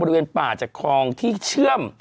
บริเวณป่าจากคลองที่เชื่อม